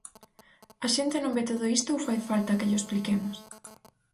¿A xente non ve todo isto ou fai falta que llo expliquemos?